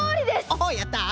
おおやった。